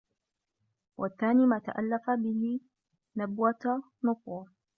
وَالثَّانِي مَا تَأَلَّفَ بِهِ نَبْوَةَ نُفُورٍ